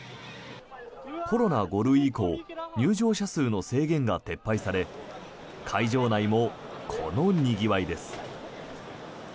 コロナ５類以降入場者数の制限が撤廃され会場内もこのにぎわいです。